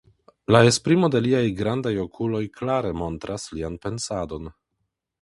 La esprimo de liaj grandaj okuloj klare montras lian pensadon.